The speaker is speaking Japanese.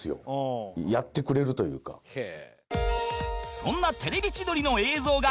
そんな『テレビ千鳥』の映像がこちら！